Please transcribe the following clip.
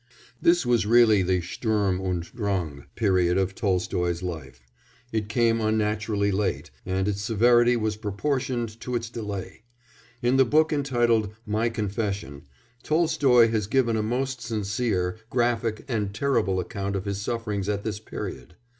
This was really the "Sturm und Drang" period of Tolstoy's life; it came unnaturally late, and its severity was proportioned to its delay. In the book entitled My Confession, Tolstoy has given a most sincere, graphic, and terrible account of his sufferings at this period.